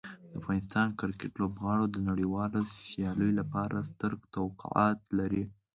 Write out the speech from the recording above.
د افغان کرکټ لوبغاړو د نړیوالو سیالیو لپاره ستر توقعات لري.